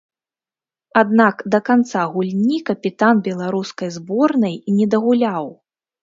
Аднак да канца гульні капітан беларускай зборнай не дагуляў.